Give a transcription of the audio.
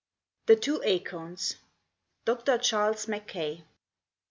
THE TWO ACORNS. DR. CHARLES MACKAY.